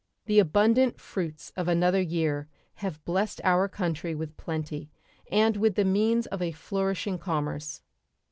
The abundant fruits of another year have blessed our country with plenty and with the means of a flourishing commerce.